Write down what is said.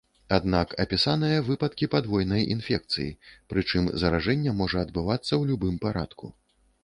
Аднак апісаныя выпадкі падвойнай інфекцыі, прычым заражэнне можа адбывацца ў любым парадку.